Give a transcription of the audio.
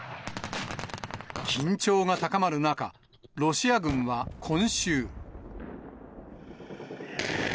緊張が高まる中、ロシア軍は今週。